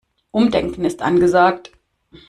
Umdenken ist angesagt.